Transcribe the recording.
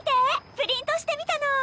プリントしてみたの！